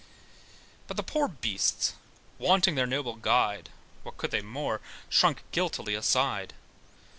But the poor beasts, wanting their noble guide, (What could they more?) shrunk guiltily aside.